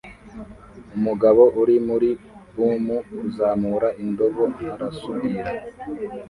Umugabo uri muri boom kuzamura indobo arasudira